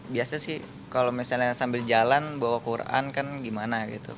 biasa sih kalau misalnya sambil jalan bawa quran kan gimana gitu